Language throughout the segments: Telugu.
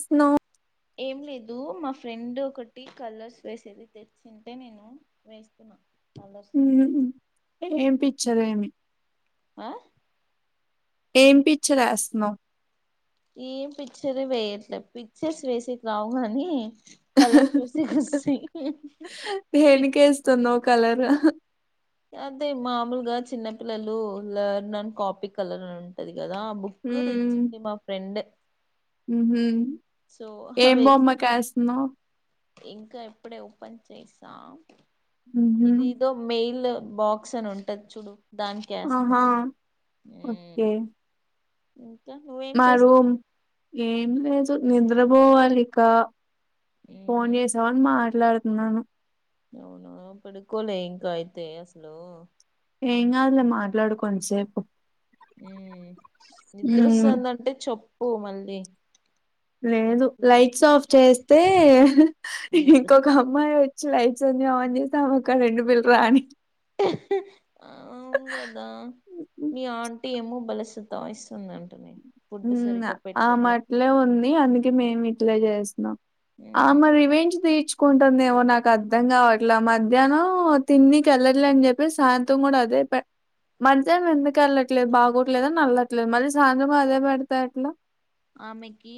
స్ నా ఏం లేదూ మా ఫ్రెండ్ ఒకటి కలర్స్ వేసేది తెచ్చింటే నేను వేస్తునా ఊహూ ఏం పిక్చర్ ఏంది ఆ ఏం పిక్చర్ రాస్తున్నావ్ ఏం పిక్చర్ వేయట్లే పిక్చర్స్ వేసేకి రావు గానీ కలర్స్ వేసి గుస్సి పిచ్చి కలర అదే మామూలుగా చిన్న పిల్లలూ లర్న్ అండ్ కాపీ కలర్ అని ఉంటది. గదా బుక్కు హ్మ్. తెచ్చింది మా ఫ్రెండ మ్హూ. సో ఏం అవి ఎస్త్ బొమ్మకేస్తున్నావ్ ఇంకా ఇప్పుడే ఓపెన్ చేసా మ్హూ. ఇది ఏదో మెయిల బాక్స్ అని ఉంటది చూడు. దానికేస్తున్న ఒకే నువ్వేం మా రూమ్ చేస్తున్నావ్ ఏం లేద్ నిద్రపోవాలికా ఫోన్ చేశావని మాట్ ట్లాడుతున్నాను అవునా పడుకోలే ఇంకా అయితే అసలూ. ఏం కాదులే మాట్లాడు కొన్సేపు నిద్రొస్తాందంటే చెప్ ప్పుమళ్లి లేదు లైట్స్ ఆఫ్ చేస్ తే నిద్ర వస్త- ఇంకొక అమ్మాయి వ లైట్స్ అన్ని ఆన్ చేస్తా ఆమెక్ కరెంట్ బిల్లు రాని. అవును కదా మీ ఆంటీ ఏమో బలస సతాయిస్తుందంటనే ఫుడ్ హ్మ్ సరిగ్గా పెట్టట్లే ఆమట్లే ఉంది అందుకే మేము ఇట్లే చేస్ స్నమ్ మ్మ్ ఆమ రివెంజ్ తీర్చుక్ కుంటుందేమో నాకు అర్థం కావట్లా మధ్యాహ్నం తిన్నీకి వెళ్లట్లే అని చెప్పి సాయంత్రం కూడా అదే పే, మధ్యాహ్నం ఎందుకు వెళ్ళట్లేదు బాగోట్లేదని ఎల్లట్లేదు మరి సాయంత్రం అదే, పెడతెట్లా ఆమెకీ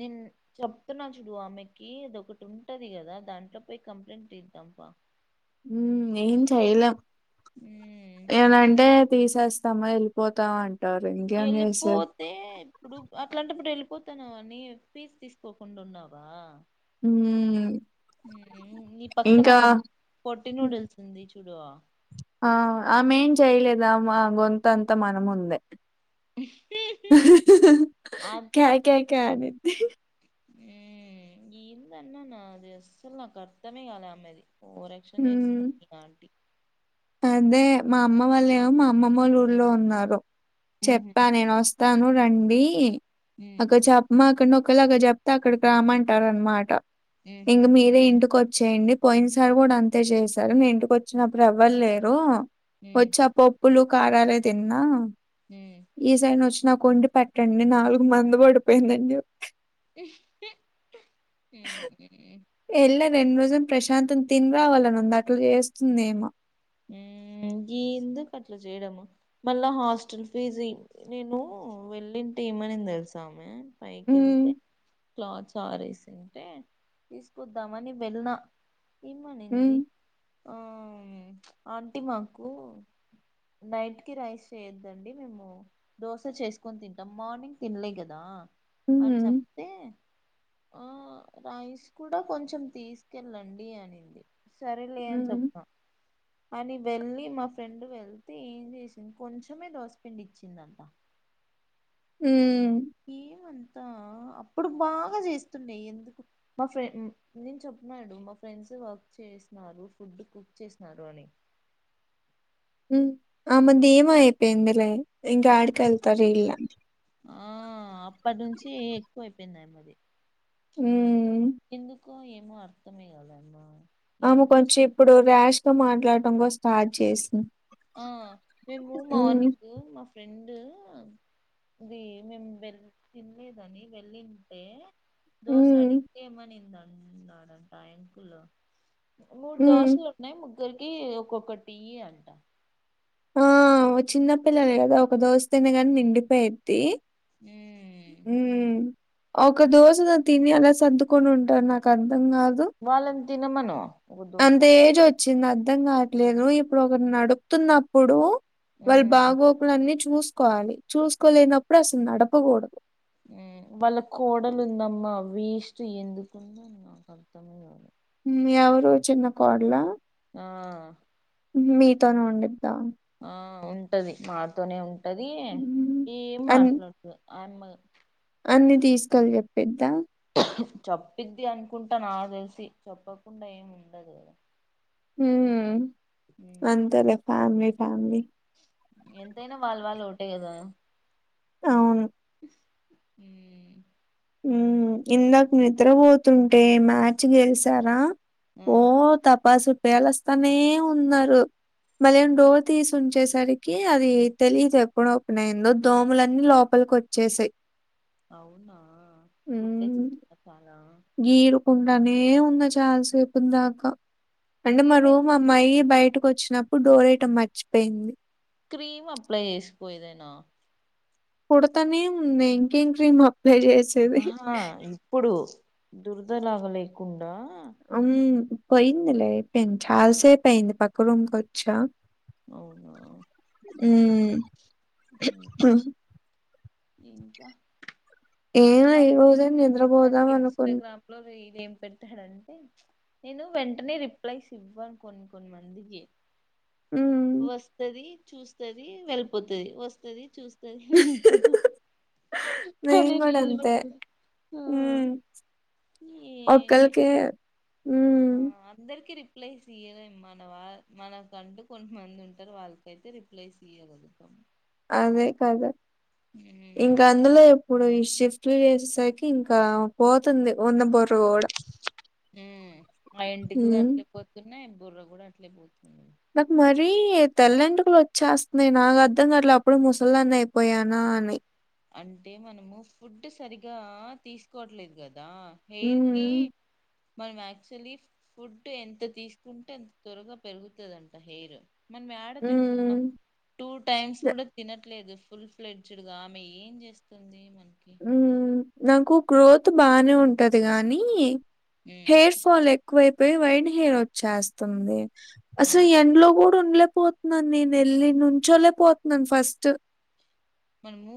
నేన్ చెప్తున్నా చూడు ఆమెకి అదొకటి ఉంటది గదా దాంట్లో పోయి కంప్లైంట్ చేద్దాంప. హ్మ్ ఏం చేయలెం మ్మ్ ఏవంటే తీసేస్తమ్ వెళ్ళిపోతాం అన్ వెళ్ళిపోతే ఇప్పుడు అట్లాంటప్పుడు ఎల్ పోతన అని ఫీజు తీసుకోకుండున్నావా హ్మ్. హ్మ్ నీ పక్కన ఇంకా పొట్టినూడిల్సుంది చు తుడు ఆ ఆమెమ్ చేయలేదు అమ అమ గొంతంతా మనముందే క్యా క్యా క్యా అని హ్మ్ ఇందన్నాన అది అసల్ నాకర్తమే కాల ఆమెది ఓరక్షన్ చేసు హ్మ్. ఆంటీ అదే మా అమ్మ వాళ్ళు ఏమో మా అమ్మమ్మ వాళ్ళ ఊళ్లో ఉన్నారు ఉహు, చెప్పా నేను వస్తాను రండీ ఉమ్, అక చాపమాక్కడ్ ఒకలాగా చెప్తే అక్కడికి రామ్మంటార్ అనమాట ఉహు, ఇంక మీరే ఇంటికొచ్ చేయండి పోయిన సార్ కూడా అంతే చేశారు నే ఇంటికి వచ్చినప్పుడు ఎవ వ్వల్లేరు ఉమ్, వచ్చ పోప్ ప్పులు కారాలె తిన్నా ఉమ్. ఈసై నచ్చ నాకు వండి పెట్టండి నాలుగు మంద పడిపోయిందండి ఉమ్, ఉమ్, ఎళ్ళ రెండు రోజులు ప్రశాంతం తిని రావాలని ఉంది అట్ల చేస్తుందీమ హ్మ్ ఎందుకు అట్ల చేయడము మళ్ళా హాస్టల్ ఫీజ్ నేను వెళ్ళింటె ఏమని తెలుసామే. హ్మ్. పైకెళ్తే క్లాత్స్ ఆరేసింటే తీసుకొద్దామని వెల్న ఇమ్మనింది హ్మ్. ఆ మ్ ఆంటీ మాకు నైట్కి రైస్ చేయొద్దండి మేము దోశ చేసుకొని తింటాం మార్నింగ్ తినలే కదా అనీ హ్మ్. చెప్తే ఆ రైస్ కూడా కొంచెం తీసుకెళ్ళండి అనింది సరేలేని హ్మ్. చొప్ప అని వెళ్ళి మా ఫ్రెండ్ వెళ్తే ఏం చేసింది కొంచెమే దోశపిండి ఇచ్చిందంట ఉమ్మ్ ఏమన్ అప్పుడు బాగా చేస్తుండే ఎందుకు మా ఫ్రెం నేను చెప్న్నాడు మా ఫ్రెండ్స్ వర్క్ చేసినారు ఫుడ్ కుక్ చేసినారు అని ఉమ్ ఆమె దిమోఅయిపోయిందులే ఇంకా ఆడికెళ్తారు ఇలా ఆ అప్పటి నుంచి ఎక్కువ అయిపోయింది ఆమె ది ఉమ్మ్ ఉమ్ ఎందుకో ఏమో అర్థమే కాద అయమ్మా ఆమె కొంచెం ఇప్పుడు ర్యాష్ గా మాట్లాడ్ టమ్ స్టార్ట్ చేసింది ఆ మేము హ్మ్. మార్నింగ్ మా ఫ్రెండ్ ఇది మేము వెళ తినలేదని వెళ్ళింటే దోసడి హ్మ్. అడిగింటె ఏమనింద నారా టాైంకుల మూడు హ్మ్. దోశలు ఉన్నాయి ముగ్గు ద్రికి ఒక్కొక్కటియ అంట ఆ చిన్నపిల్లలు కదా ఒక దోస తినా గానే నిండిపోయద్ది ఉమ్మ్ ఒక దోస నను తిని అలా సర్దుకొని ఉంటాను నాకు ఆర్త్ ర్ధం కాదు తిన మను అంతే ఏజోచ్చి చింది అర్ధం కావట్లేదు ఇప్పుడు ఒకరుని నడుపుతున్నప్పుడు వాళ్ళు మ్మ్. బాగోకులు అన్నీ చూచ్ చూసుకోవాలి చూసుకోలేనప్పుడు అసలు నడపకూడదు వాళ్ళ కోడలు ఉందమ్మా వేస్ట్ ఎందుకుందో నాకు అర్థం కాలా ఉమ్ ఎవరు చిన్న కోడ్లా ఆ మీతోనే వండిద్దాం ఆ ఉంటది మాతోనే ఉం ంటది ఉమ్, ఏ అన్ మాట్లాడ్తదో ఆన్మ అన్ని తీసుకొలి చెప్పిద్దా చెప్పిద్ది అనుకుంటాను ఆ తెలిసి చెప్పకుండా ఏమి ఉండదు కదా హ్మ్ అంతలే ఫ్యాలీ ఫ్యామిలీ ఎంతైనా వాళ వాళ ఓటే కదా అవును హ్మ్ ఉ ఇందాక నిద్రపోతుంటే మ్యాచ్ గెలిసారా ఆ ఓ తపస్ వేలస్తానే ఉన్నారు మళ్ళ ఏం డోర్ తీసి ఉంచేసరికి అది తెలియదు ఎప్పుడు ఓపెన్ అయిందో దోమలన్నీ లోపలికి వచ్చేసాయి అవునా ఆ కుట్టేస్తే చాలా గీరుకుంటనే ఉంది చాలాసేపు దాకా అంది ఇది మరు ఏమైనా మా అమ్మాయి బయట వచ్చినప్పుడు డోర్యటం మర్చిపోయింది క్రీమ్ అప్లై చేసి పోయదేనా కుడతానే ఉన్నాయ్ ఇంకేం క్రీమ్ పెరి సది దుర్దలాగా లేకుండా అ పోయిందిలేపోయింది చాలసేపోయింది పక్క రూంకొచ్చా అవునా హ్మ్ ఇంకా ఏమో ఈ మాస్త్ రోజే పెట్టావ్ కదా నిద్రపోదాం అనుకున్నా. ఇన్స్టాగ్రామ్ లో రీల్ ఏం పెడతాడంటే నేను వెంటనే రిప్లైస్ ఇవ్వను కొన్ని కొన్ని మందికి హ్మ్. వస్తది చూస్తది వెళ్ళిపోతది వస్తది చూస్ ఇడు [unintelligible] నేం కూడా అంతే పెట్టాడు ఆ, హ్మ్ ఏ ఒక్కళకే హ్మ్ రిప్లేస్ ఇయలే మన వా మనకంటూ కొంతమంది ఉంటారు వాళ్ళకైతే రిప్లేస్ ఇయ్యారు అదే కాదు ఇంకా అందులో ఎప్పుడు ఈ శిఫ్ త్రీ డేస సైకి ఇంకా పోతుంది ఉన్న బోర్ హ్మ్ ఆ మా ఇంటికిలో హ్మ్. అట్పోతున్నాయి బుర్ర కూడా అట్లే పోతుంది నాకు మరీ తెల్ల వెంట్రుకల. వచ్చేస్తున్నాయి నాకు అర్థం కా అట్లా అప్పుడె. ముసలదాన్న అయిపోయానా అని, అంటే మనము ఫుడ్ సరిగా తీసుకోవట్లేదు కదా, దా హెయిర్ కి, హ్మ్. మనం యాక్చువల్లీ ఫుడ్ ఎంత. తీసుకుంటే ఎంత త్వరగా. పెరుగుతుందంట హెయిర్, మనం ఎడ తింటున్నాం హ్మ్. టూ టైమ్స్ న కూడా తినట్లేదు ఫు, ఫుల్ ఫ్లెడ్జ్డ్ గామి, ఏం చేస్తుంది మ, ఊ నాకు గ్రోత్ బానే ఉంటది గానీ, ఉమ్ హెయిర్ ఫల్ ఎ. ఎక్కువైపోయి వైట్ హెయిర్ వచ్చేస్తుంది, ఆ అసలు ఎండలో గూడ, ఉండలే పోతున్నాను. నేను వెళ్లి నుంచోలేక పోతున్నాను ఫస్ట్, మనము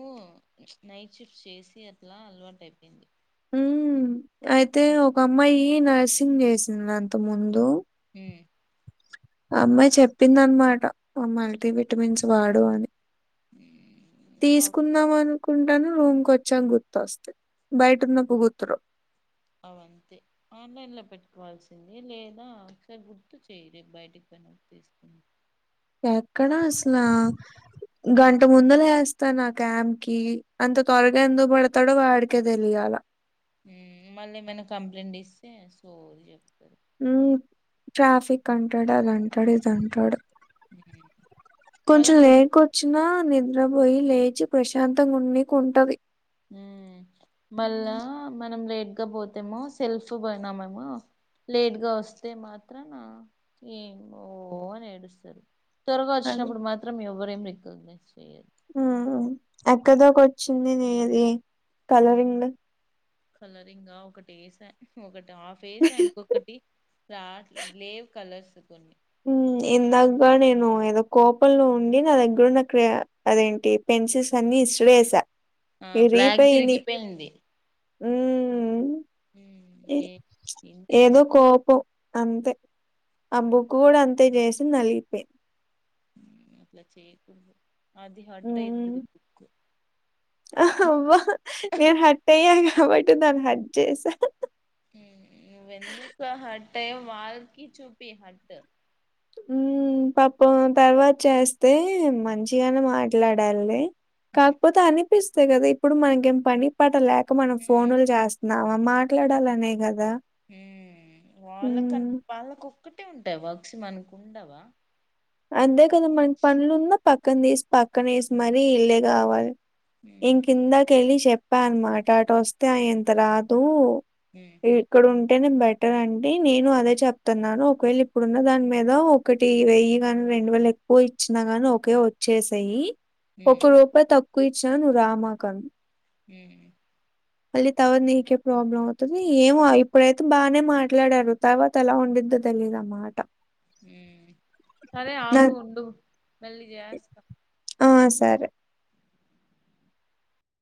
నైట్ షిఫ్ట్ చేసి అట్లా అలవాటు అయిపోయింది, ఊ అయితే ఒక అమ్మాయి, నర్సింగ్ చేసింది అంత ముందు, హు అమ్మాయి చెప్పింది అనమాట. మల్టీ విటమిన్స్ వాడు అని, ఏ తీసుకున్నాం అను, కుంటాను రూమ్ వచ్చాకా గుర్తుస్తే బయటన్నప్పు గుర్తు రావు, అవంతే ఆన్లైన్ లో పెట్టుకోవాల్సింది. లేదా ఒకసారి గుర్తు చేయడి బయటికి వెన తీసుకుని, ఎక్కడా అసలు గంట ముందు. లేస్తాను ఆ క్యాంప్ కి అంత త్వరగా. ఎందు పడతాడో వాడికే తెలియాల, హు మళ్ళీ ఏమైనా కంప్లైంట్ ఇస్తే సోది చెప్తా, హు ట్రాఫిక్ అంటాడు అది అంటాడు ఇది అంటాడు, ఉమ్, మళ్ళా కొంచం త- లేక వచ్చిన, నిద్రపోయి లేచి ప్రశాంతంగా ఉండింకి ఉంంటది, మల్ల మనం లేట్, రాకపోతేమో సెల్ఫ్ పోయినామేమో లేట్ గా వస్తే మాత్రం ఏమో అని ఏడుస్తారు, త్వరగా వచ్చినప్పుడు మాత్రం ఎవ్వరు ఏం రికారులే. ఉహు ఎక్కడ దాకొచ్చ, చిన్నదే అది కలరింగ్, కలరింగ్ ఒకటి ఏస ఒకటి, ఆ ఫేస్ ఇంకొకటి రాటెల్ లేవ్ కలర్స్, అ కొన్ని హు ఇందాగా నేను ఏదో కోపంలో ఉండి నా దగ్గరన్న కేరే అదేంటి పెన్సిల్స్ అన్ని ఇసిరేసా, ఆ బ్లాక్‌ ది ఇరిగిపోయింది హ్మ్మ్ ఏ- ఎందుకు ఏదో వస్తుంది కోపం అంతే. ఆ బుక్ గూడా అం తెయ్ జేసి నలిగిపోయి అట్లా చేకు అది హట్ ఐతది పిక్కు ఆ అవ్వా నేను హట్అయ్యా కాబట్ దాన్ హట్ జేసా ట్ అయ్యే వాళ్ళకి చూపీ హట్టు హ్మ్ పాప తర్వాత చేస్తే మంచిగానే మాట్లాడాలి కాకపోతే అని పిస్తాయి కదా ఇప్పుడు మనకేం పని పాట లా క్ మనం ఫోనులు చేస్ నావ మాట్లాడాలనేగదా హ్మ్ వాళ్ళకన్ వాళ్ళకొ ఒక్కటే ఉంటాయి వక్స్ మనుకు ఉండవా అందేక్ మనకి పన్లున్నా పక్కన తీసి పక్కన వేసి మరి ఇల్లే కావాలి ఇం ఉమ్ కింద కెలి చెప్పా అనమాట అట వస్తే ఆ ఎంత రాదు ఉమ్ ఎక్కడు అంటేనే బెటర్ అండి నేను అదే చెప్తున్నాను ఒకవేళ ఇప్పుడున్న దాని మీద ఒకటి వెయ్యి గాని రెండు వేలు ఎక్కువ ఇచ్చినా గాని ఒకే వచ్చేసెయ్యి ఒక ఉమ్ రూపాయ్ తక్ కు ఇచ్చినా నువ్వు రామాకు అన్ హ్మ్ మళ్ళీ తవాత నీకే ప్రాబ్లం అవుతుంది ఏమో ఇప్పుడైతే బానే మాట్లాడారు తర్వాత ఎలా ఉండిద్దో తెలీదు ఆ మాట సరే ఆగు నాకు ఉండు మళ్ళి చేస్త ఆ సరే